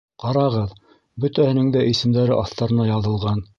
Ҡарағыҙ, бөтәһенең дә исемдәре аҫтарына яҙылған.